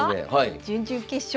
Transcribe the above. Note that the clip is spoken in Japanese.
準々決勝